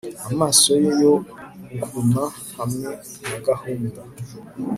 Amaso ye yo guhuma hamwe na gahunda